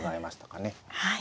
はい。